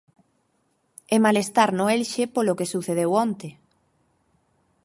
E malestar no Elxe polo que sucedeu onte.